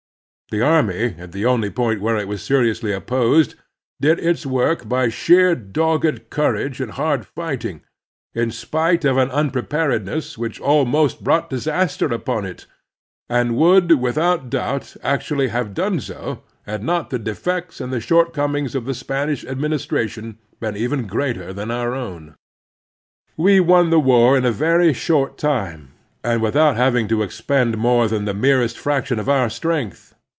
The army, at the only point where it was seriously opposed, did its work by sheer dogged cotirage and hard fighting, in spite of an unpreparedness which almost brought disaster upon it, and would without doubt actually have done so had not the defects and shortcomings of the Spanish administration been even greater than our own. We won the war in a very short time, and with out having to expend more than the merest frac tion of our strength.